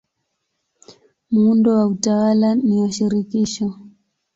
Muundo wa utawala ni wa shirikisho.